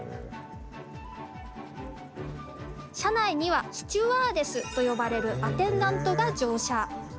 車内にはスチュワーデスと呼ばれるアテンダントが乗車。